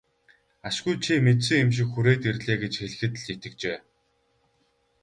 Ашгүй чи мэдсэн юм шиг хүрээд ирлээ гэж хэлэхэд л итгэжээ.